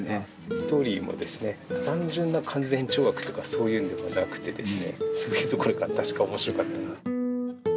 ストーリーもですね、単純な勧善懲悪とか、そういうのではなくてですね、そういうところが確かおもしろかったな。